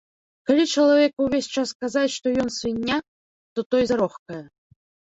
Калі чалавеку ўвесь час казаць, што ён свіння, то той зарохкае.